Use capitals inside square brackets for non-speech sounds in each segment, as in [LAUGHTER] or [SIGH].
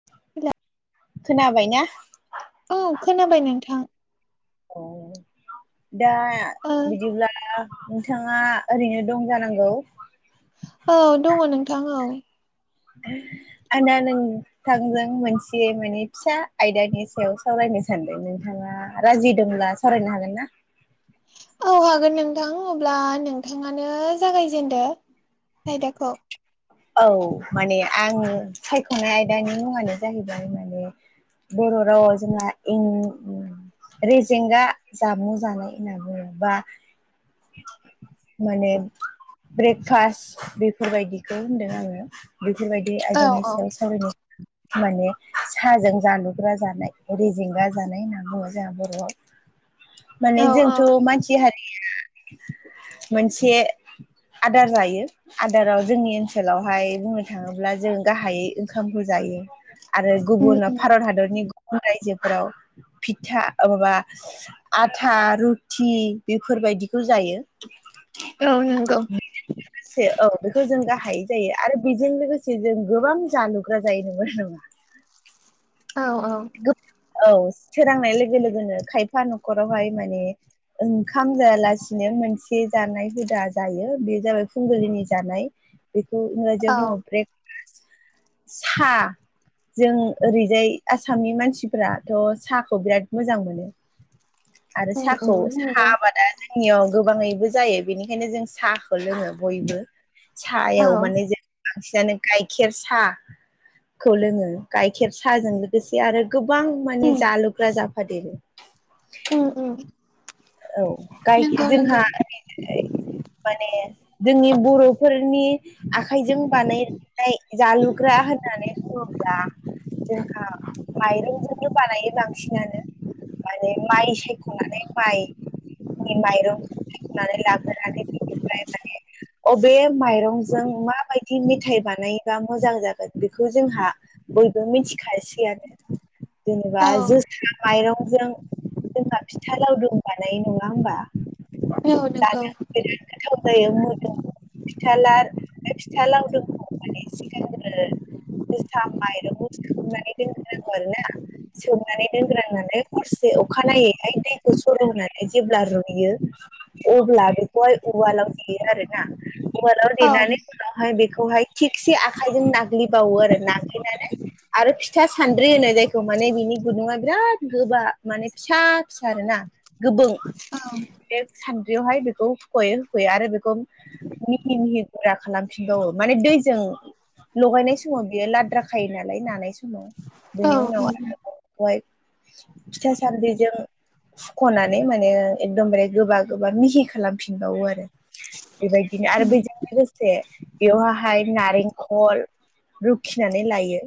[UNINTELLIGIBLE] खोनाबाय ना। औ खोनाबाय नोंथां। दा ओ बिदिब्ला नोंथाङा ओरैनो दं जानांगौ। औ दङ नोंथां औ। आंना नों थांजों मोनसे माने फिसा आयदानि सायाव सावरायनो सानदों नोंथाङा राजि दंब्ला फरायनो हागोन ना। औ हागोन नोंथां अब्ला नोंथाङानो जागायजेनदो। आयदाखौ। औ माने आं सायख'नाय आयदानि मुङानो जाहैबाय माने बर' रावाव जोंना रेजेंगा जामुं जानाय होनना बुङोबा माने ब्रेकफास बेफोरबायदिखौ होनदों आङो बेफोरबायदि औ आयदानि औ सायाव सावरायनाय माने साहाजों जालुग्रा जानाय रेजेंगा जानाय होनना बुङो जोंहा बर'आव। माने औ औ जोंथ' मानसि हारिया मोनसे आदार जायो। आदाराव जोंनि ओनसोलावहाय बुंनो थाङोब्ला जों गाहायै ओंखामखौ जायो। आरो उम गुबुन उम भारत हादरनि गुबुन रायजोफोराव फिथा माबा आथा रुटि बेफोरबायदिखौ जायो। औ नोंगौ। से औ बेखौ जों गाहायै जायो आरो बिजों लोगोसे जों गोबां जालुग्रा जायो नंगौना नङा? औ औ। औ सोरांनाय लोगो लोगोनो खायफा न'खरावहाय माने ओंखाम जायालासिनो मोनसे जानाय हुदा जायो बे जाबाय फुंबिलिनि जानाय। बेखौ इंराजियाव औ बुङो ब्रेक साह जों ओरैजाय। आसामनि मानसिफ्राथ' साहाखौ बिराद मोजां मोनो। आरो उम साहाखौ उम साहा नंगौ आबादा जों जोंनियाव गोबाङैबो जायो बेनिखायनो जों साहाखौ लोङो बयबो। औ साहायाव माने जों बांसिनानो गाइखेर साहाखौ लोङो गाइखेर साहाजों इ आरो गोबां माने उम जालुग्रा जाफादेरो। उम उम। औ गाय नंगौ नंगौ जोंहा माने जोंनि बर'फोरनि आखाइजों बानाय नाय जालु ग्रा होननानै बुङोब्ला जोंहा माइरंजोंनो बानायो बांसिनानो। माने माइ सायख'नानै माइ नि माइरंखौ [UNINTELLIGIBLE] लाग्रोनानै [UNINTELLIGIBLE] अबे माइरंजों माबायदि मेथाइ बानायोबा मोजां जागोन बेखौ जोंहा बयबो मिथिखासै आनो। जेनेबा औ जोसा माइरंजों [UNINTELLIGIBLE] फिथा लावदुम बानायो नङा होमबा? औ नंगौ जानो। बिराद गोथाव जायो मोदोमो फिथा ला फिथा लावदुम [UNINTELLIGIBLE] सिगांग्रो जोसा माइरं थिखांनानै दोनग्रोनांगौ आरो ना। सौनानै दोनग्रांनानै हरसे अखानायैहाय दै सर' होनानै जेब्ला रुयो अब्ला बेखौहाय उवालाव देयो आरो आरो ना। उवालाव औ देनानै बेवहाय बेखौहाय थिगसे आखायजों नाग्लिबावो आरो नाग्लिनानै आरो फिथा सान्द्रि होनो जायखौ माने बिनि गुदुङा बिराद गोबा माने फिसा फि आरोना गोबुं औ बे सान्द्रियावहाय बेखौ होख'यै होख'यै आरो बेखौ मिहि मिहि गुरा खालामफिनबावो माने दैजों लगायनाय समाव बियो लाद्रा खायो नालाय नानाय समाव। औ बेनि उनाव उम आरो [UNINTELLIGIBLE] फिथा सान्द्रिजों हुख'नानै माने एकदमबारे गोबा गोबा मिहि खालामफिनबावो आरो। बेबायदिनो आरो उम बेजों लोगोसे बेयावहाय नारेंखल रुखिनानै लायो।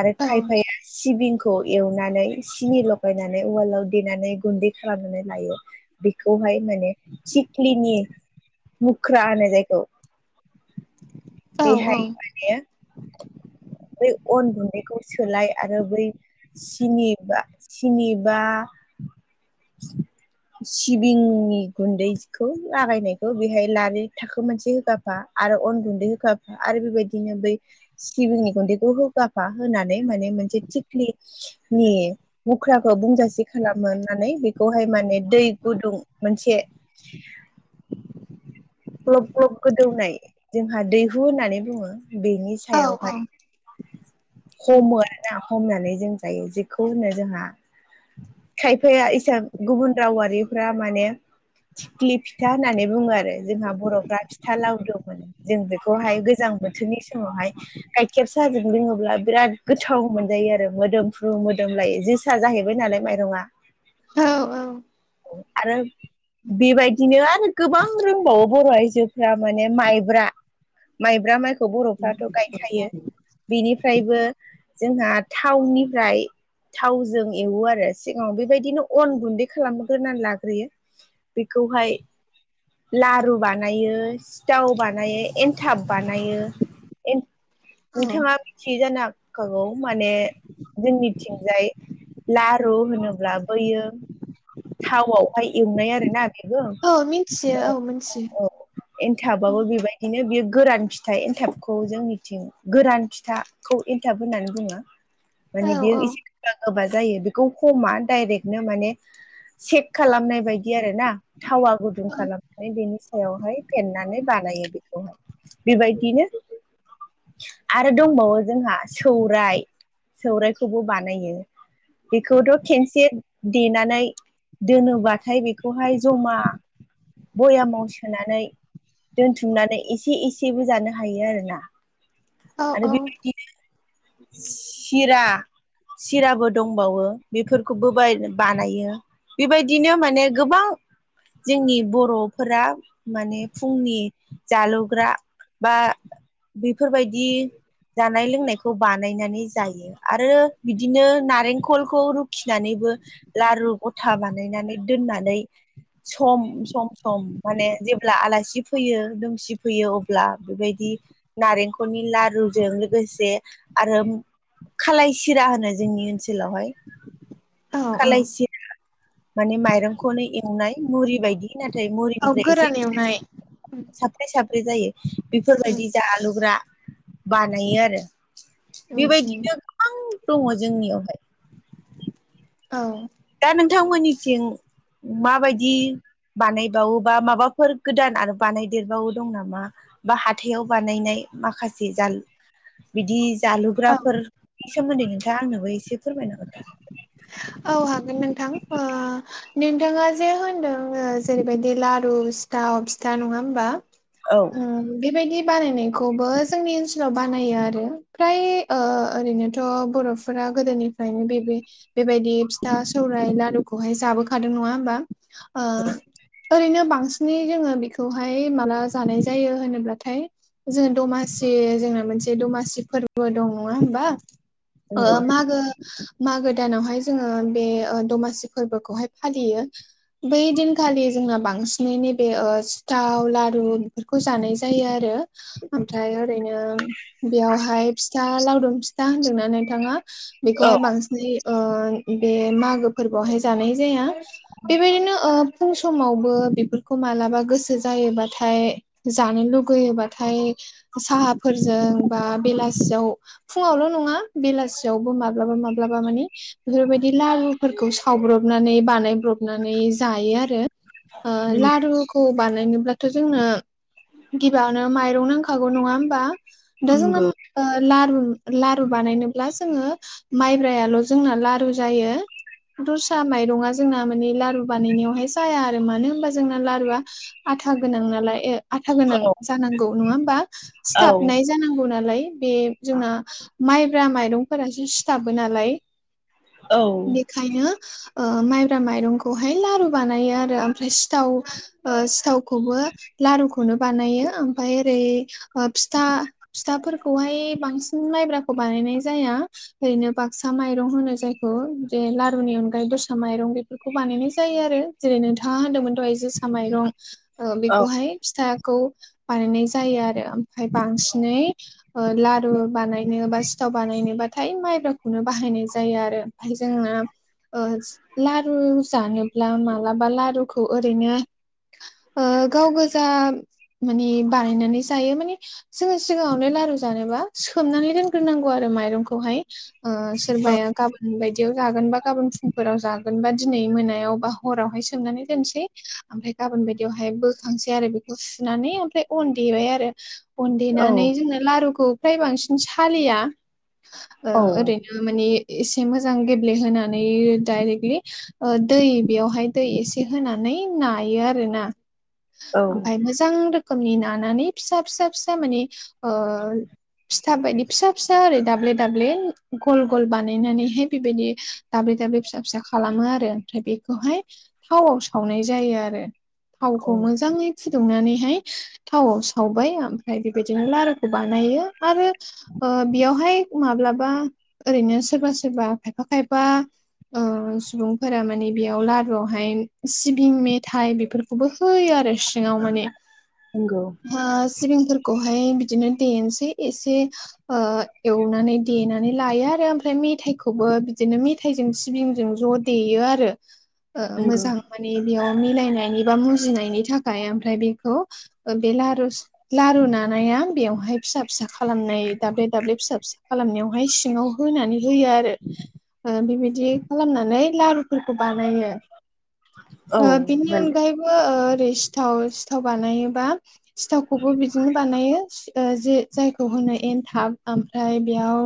आरो औ खायफाया सिबिंखौ एवनानै सिनि लगायनानै उवालाव देनानै गुन्दै खालामनानै लायो। बेखौहाय माने सिख्लिनि मुख्रा होनो जायखौ औ औ बेहाय माने बै अन गुन्दैखौ सोलाय आरो बै सिनि बा सिनि बा [INAUDIBLE] सिबिंनि गुन्दैखौ लागायनायखौ बेहाय लारि थाखो मोनसे होगाफा आरो अन गुन्दै होगाफा आरो बेबायदिनो बै सिबिंनि गुन्दैखौ हो गाफा होनानै माने मोनसे थिख्लिनि मुख्राखौ बुंजासे खालामो। नानै बेखौहाय माने दै गुदुं मोनसे ग्लब ग्लब गोदौनाय जोंहा दैहु होननानै बुङो बेनि औ सायावहाय उम हमो आरोना हमनानै जों जायो जेखौ होनो जोंहा खायफाया इसां गुबुन रावारिफ्रा माने थिख्लि फिथा होननानै बुङो आरो जोंहा बर'फ्रा फिथा लावदुम होनो। जों बेखौहाय गोजां बोथोरनि समावहाय गाइखेर साहाजों लोङोब्ला बिराद गोथाव मोनजायो आरो मोदोमफ्र्रु मोदोम लायो जोसा जाहैबाय नालाय माइरङा। औ औ आरो बेबायदिनो आरो गोबां रोंबावो बर' आइजोफ्रा माने माइब्रा माइब्रा माइखौ बर'फ्राथ' गायखायो बिनि फ्रायबो जोंहा थावनिफ्राय थावजों एवो आरो। सिगाङाव बेबायदिनो अन गुन्दै खालामग्रोनानै लाग्रोयो। बेखौहाय लारु बानायो सिथाव बानायो एन्थाब बानायो। एन औ नोंथाङा थि जानो हागौ माने जोंनिथिंजाय लारु होनोब्ला बैयो थावावहाय एवनाय आरोना बेबो। औ मिथियो औ मिथियो। औ एनथाबाबबो बेबायदिनो बेयो गोरान फिथाइ एनथाबखौ जोंनिथिं गोरान फिथा खौ एन्थाब होननानै बुङो। औ माने बेयो औ एसे गोबा गोबा जायो बेखौ हमा दाइरेक्टनो माने सेफ खालामनाय बायदि आरो ना थावा गुदुं खालामनानै बेनि सायावहाय फेन्नानै बानायो बेखौहाय। बेबायदिनो आरो दंबावो जोंहा सौरायाइ सौरायखौबो बानायो बेखौथ' खेनसे देनानै नाय दोनोब्लाथाय बेखौहाय जमा बयामाव सोनानै दोनथुमनानै एसे एसेबो जानो हायो आरोना। औ औ आरो औ बेबायदिनो सिरा सिराबो दंबावो बेफोरखौबो बाय बा नायो बेबायदिनो माने गोबाव जोंनि बर'फोरा माने फुंनि जालुग्रा बा बेफोरबायदि जानाय लोंनायखौ बानायनानै जायो। आरो बिदिनो नारेंखलखौ रुखिनानैबो लारु गथा बानायनानै दोननानै सम सम सम माने जेब्ला आलासि फैयो दुमसि फैयो अब्ला बेबायदि नारेंखलनि लारुजों लोगोसे आरो खालाय सिरा होनो जोंनि ओनसोलावहाय औ औ खलायसिरा माने माइरंखौनो एवनाय मुरि बायदि नाथाय औ मुरिनिफ्राय एसे गोरान एवनाय साब्रै साब्रै जायो उम बेफोरबायदि जालुग्रा बानायो आरो उम उम बेबायदिनो गोबां दङ जोंनियावहाय। औ। दा नोंथांमोननिसिं माबायदि बानायबावो बा माबाफोर गोदान आरो बानायदेरबावो दं नामा? बा हाथायाव बानायनाय माखासे जाल बिदि औ जालुग्राफोरनि सोमोन्दै नोंथाङा आंनोबो एसे फोरमायना हरदो। औ हागोन नोंथां ओ नोंथाङा जे होनदों ओ जेरैबायदि लारु सिथाव सिथा नङा होमबा? औ उम। बेबायदि बानायनायखौबो जोंनि ओनसोलाव बानायो आरो फ्राय ओ ओरैनोथ' बर' फोरा गोदोनिफ्रायनो बे बेबायदि फिथा सौरायाइ लारुखौहाय जाबोखादों नङा होमबा? ओ ओरैनो बांसिन नि जोङो बेखौहाय माला जानाय जायो होनोब्लाथाय जोङो दमासि जोंना मोनसे दमासि फोरबो, दं नङा होमबा? ओ नंगौ मागो मागो दानावहाय जोङो बे ओ दमासि फोरबोखौहाय फालियो। बै दिनखालि जोंना बांसिनैनो बे ओ सिथाव लारु बेफोरखौ जानाय जायो आरो। ओमफ्राय ओरैनो बेयावहाय फिथा लावदुम फिथा होन्दोंना नोंथाङा बेखौहाय बांसिनै ओ बे मागो फोरबोआवहाय जानाय जाया। बेबायदिनो ओ फुं समावबो बेफोरखौ मालाबा गोसो जायोबाथाय जानो लुगैयोबाथाय साहाफोरजों बा बेलासियाव फुङावल' नङा बेलासियावबो माब्लाबा माब्लाबा माने बेफोरबायदि लारुफोरखौ सावब्रबनानै बानायब्रबनानै जायो आरो। ओ लारु खौ बानायनोब्लाथ' जोंनो गिबियावनो माइरं नांखागौ नङा होमबा। दा जोङो नोंगौ ओ लारु लारु बानायनोब्ला जोङो माइब्रायाल' जोंना लारु जायो। दस्रा माइरंआ जोंना मानि लारु बानायनायावहाय जाया आरो मानो होनबा जोंना लारुआ आथा गोनां नालाय ओ आथा गोनां औ जानांगौ नङा होमबा औ सिथाबनाय जानांगौ नालाय बे जोंना माइब्रा माइरंफोरासो सिथाबो नालाय औ। ओंखायनो ओ माइब्रा माइरंखौहाय लारु बानायो आरो ओमफ्राय सिथाव ओ सिथावखौबो लारुखौनो बानायो ओमफाय ओरै ओ फिथा फिथाफोरखौहाय बांसिन माइब्राखौ बानायनाय जाया। ओरैनो बागसा माय माइरं होनो जायखौ जे लारुनि अनगायै दरसा माइरं बेफोरखौ बानायनाय जायो आरो। जेरै नोंथाङा होनदोंमोन दहाय जोसा माइरं ओ औ बेखौहाय फिथाखौ बानायनाय जायो आरो ओमफ्राय बांसिनै ओ लारु बानायनो बा सिथाव बानायनोबाथाय माइब्राखौनो बाहायनाय जायो आरो ओमफ्राय जोंना ओ लारु जानोब्ला मालाबा लारुखौ ओरैनो ओ गाव गोजा माने बानायनानै जायो माने जोङो सिगाङावनो लारु जानोबा सोमनानै दोनग्रोनांगौ आरो माइरंखौहाय। ओ औ सोरबाया गाब बोन बायदियाव जागोन बा गाबोन फुंफोराव जागोन बा दिनै मोनायाव बा हरावहाय सोमनानै दोनसै ओमफ्राय गाबोन बायदियावहाय बोखांसै आरो बेखौ सुनानै ओमफ्राय अन देबाय आरो। अनदेनानै जोंना लारुखौ फ्राय बांसिन सालिया ओ औ ओरै ओम माने एसे मोजां गेब्लेहोनानै डायरेक्टलि ओ दै बेयावहाय दै एसे होनानै नायो आरो ना औ ओमफ्राय मो गोबां रोखोमनि नानानै फिसा फिसा फिसा माने ओ। फिथा बायदि फिसा फिसा ओरै दाब्ले दाब्ले गल गल बानायनानैहाय बेबायदि दाब्ले दाब्ले फिसा फिसा खालामो आरो ओमफ्राय बेखौहाय थावआव सावनाय जायो आरो थावखौ औ मोजाङै फुदुंनानैहाय थावाव सावबाय ओमफ्राय बेबायदिनो लारुखौ बानायो आरो ओ बेयावहाय माब्लाबा ओरैनो सोरबा सोरबा खायफा खायफा सुबुंफोरा माने बेयाव लारुआवहाय सिबिं मेथाइ बे खौबो होयो आरो सिङाव माने। नंगौ ओ सिबिंफोर खौहाय बिदिनो देनोसै एसे ओ एवनानै देना नै लायो आरो ओमफ्राय मेथाइखौबो बिदिनो मेथाइजों सिबिंजों ज' देयो आरो। ओ नंगौ मोजां मानि बेयाव मिलायनायनि बा मुजिनायनि थाखाय ओमफ्राय बेखौ ओ बे लारु लारु नानाया बेवहाय फिसा फिसा खालामनाय दाब्ले दाब्ले फिसा फिसा खालामनायाव [UNINTELLIGIBLE] सिङाव होनानै हो आरो बेबायदि खालामनानै लारु फोरखौ बानायो औ ओ बेनि माने अनगायै ओ ओरै सिथाव सिथाव बानायोबा सिथावखौबो बिदिनो बानायो। ओ जे जायखौ होनो एनथाब ओमफ्राय बेयाव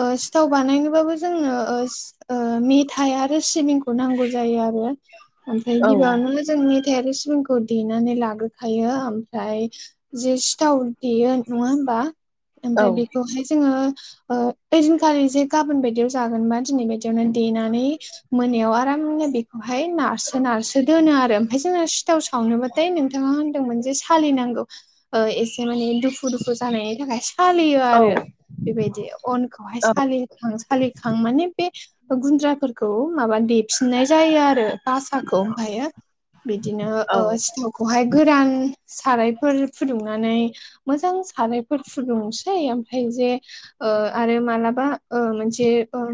ओ सिथाव बानायनोबाबो जोंनो ओस ओ मेथाय आरो सिबिं नां जायो आरो आमफ्राय औ गिबिआवनो जों [UNINTELLIGIBLE] सिबिंखौ देनानै लाग्रोखायो ओमफ्राय जे सिथाव देयो नङा होमबा? औ ओमफ्राय बेखौहाय जोङो ओ ओइदिनखालि जे गाबोन बायदियाव जागोनबा दिनै बदियावनो देनानै मोनायाव आरामनो बेखौहाय नारसो नारसो दोनो आरो ओमफाय जोङो सिथाव सावनोबाथाय नोंथाङा होनदोंमोन जे सालिनांगौ ओ एसे माने दुखु दुखु जानायनि थाखाय सालियो आरो औ बेबायदियाव। अनखौहाय सालि खां सालिखां माने बे गुन्द्राफोरखौ माबा देफिननाय जायो आरो। बासाखौ ओमफायो बिदिनो ओ औ सिथाव खौहाय गोरान सारायफोर फुदुंनानै मोजां सारायफोर फुदुंनोसै ओमफाय जे ओ आरो मालाबा ओ मोनसे ओ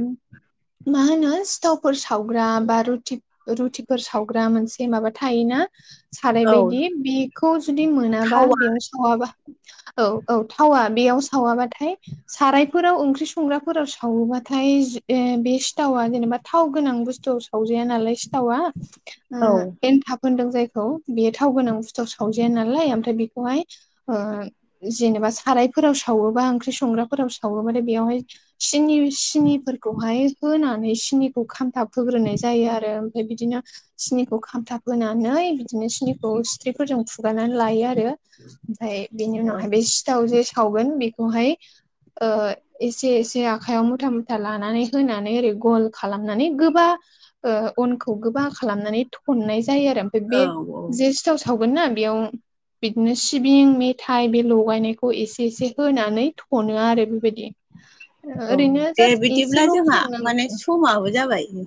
मा होनो सिथावफोर सावग्रा बा रुटि रुटिफोर सावग्रा मोनसे माबा थायोना औ सारायबायदि बिखौ जुदि मोनाबा थावा बेयाव सावाबा औ औ थावा बेयाव सावाबा था सारायफोराव ओंख्रि संग्राफोराव सावोबाथाय जे बे सिथावा जेनेबा थाव गोनां बुस्थु सावजाया नालाय सिथावा औ उम एन्थाब होनदों जायखौ बेयो थाव गोनां बुस्थुआव सावजाया नालाय ओमफ्राय बेखौहाय ओ जेनेबा सारायफोराव सावोबा ओंख्रि संग्रा फोराव सावोथाय बेयावहाय सिनि सिनिफोरखौहाय होनानै सिनिखौ खामथाब होग्रोनाय जायो आरो ओमफाय बिदिनो सिनिखौ खामथाब होनानै बिदिनो सिनिखौ सिथ्रिफोरजों फुगारनानै लायो आरो। ओमफाय बेनि औ उनावहाय बे सिथाव जे सावगोन बेखौहाय ओ एसे एसे आखाइयाव मुथा मुथा लानानै होनानै ओरै गल खालामनानै गोबा ओ अनखौ गोबा खालामनानै थननाय जायो आरो ओमफाय बे औ जे थाव सावगोन ना बेयाव बिदिनो सिबिं मेथाइ बे लगायनायखौ एसे एसे होनानै थनो नो आरो बेबायदि औ ओरैनो दे जास्ट बिदिब्ला एसेल' जोंहा माने खुलुमनांगो समाबो जाबाय